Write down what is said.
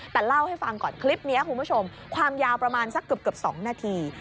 แต่เล่าให้ฟังก่อนคลิปนี้คุณผู้ชมความยาวประมาณสักเกือบ๒นาที